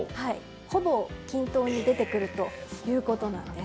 ほぼ均等に出てくるということです。